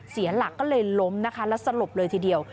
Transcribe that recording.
เสียหลักก็เลยล้มนะคะแล้วสลบเลยทีเดียว